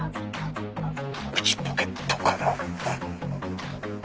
「内ポケットから」